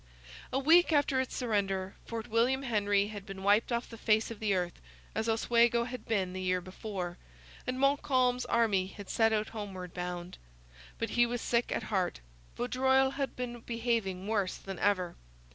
A week after its surrender Fort William Henry had been wiped off the face of the earth, as Oswego had been the year before, and Montcalm's army had set out homeward bound. But he was sick at heart. Vaudreuil had been behaving worse than ever.